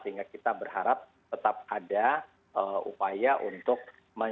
sehingga kita berharap tetap ada upaya untuk menjaga